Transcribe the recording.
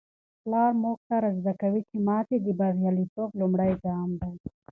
پلار موږ ته را زده کوي چي ماتې د بریالیتوب لومړی ګام دی.